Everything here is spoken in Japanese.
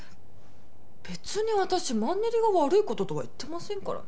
別に私マンネリが悪い事とは言ってませんからね。